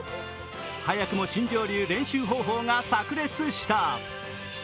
早くも新庄流練習方法がさく裂した。